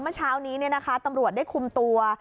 เมื่อเช้านี้ตำรวจได้คุมตัว